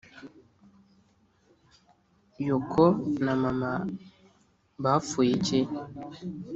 yoko na mama bapfuye iki ?-